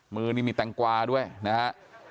มือนี้มีแตงกวาด้วยนะฮะ